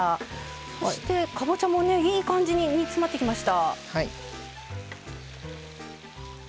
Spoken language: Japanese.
そして、かぼちゃもいい感じに煮詰まってきました。